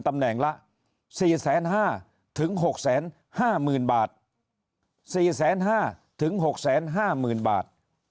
ตำแหน่งละ๔๕๐๐๖๕๐๐๐บาท๔๕๐๐๖๕๐๐๐บาท